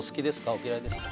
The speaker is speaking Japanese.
お嫌いですか？